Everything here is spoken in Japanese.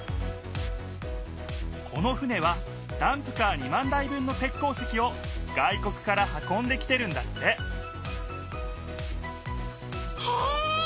この船はダンプカー２万台分の鉄鉱石を外国から運んできてるんだってへえ！